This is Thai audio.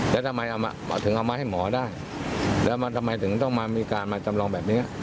แล้วทำไมถึงเอามาให้หมอได้แล้วมันทำไมถึงต้องมามีการมาจำลองแบบนี้